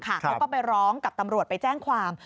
เขาก็ไปร้องกับตำรวจไปแจ้งความ